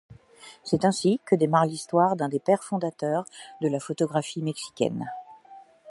C'est ainsi que démarre l'histoire d'un des pères fondateurs de la photographie mexicaine.